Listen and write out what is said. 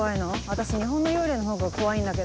私日本の幽霊のほうが怖いんだけど。